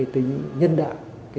tính nhân đạo